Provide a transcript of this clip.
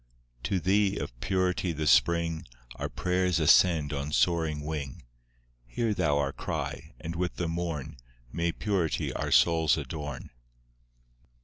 IV To Thee of purity the spring, Our prayers ascend on soaring wing; Hear Thou our cry, and with the morn May purity our souls adorn.